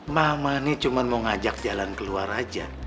mama ini cuma mau ngajak jalan keluar aja